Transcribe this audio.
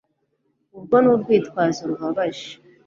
urwo ni urwitwazo rubabaje